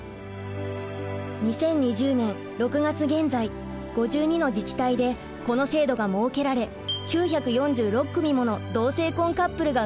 ２０２０年６月現在５２の自治体でこの制度が設けられ９４６組もの同性婚カップルが生まれました。